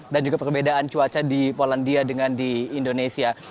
dan juga perbedaan cuaca di polandia dengan di indonesia